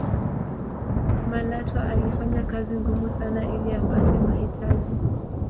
malatwa alifanya kazi ngumu sana ili apate mahitaji